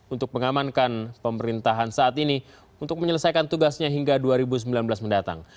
untuk mengamankan pemerintahan saat ini untuk menyelesaikan tugasnya hingga dua ribu sembilan belas mendatang